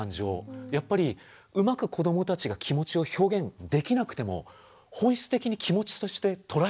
やっぱりうまく子どもたちが気持ちを表現できなくても本質的に気持ちとして捉えている。